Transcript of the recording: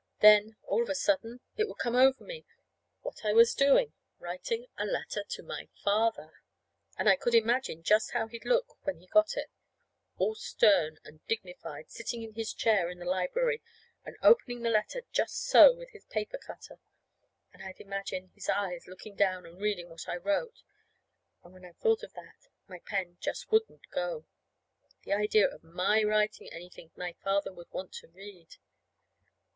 Then, all of a sudden, it would come over me, what I was doing writing a letter to my father! And I could imagine just how he'd look when he got it, all stern and dignified, sitting in his chair in the library, and opening the letter just so with his paper cutter; and I'd imagine his eyes looking down and reading what I wrote. And when I thought of that, my pen just wouldn't go. The idea of my writing anything my father would want to read!